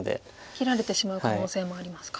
切られてしまう可能性もありますか。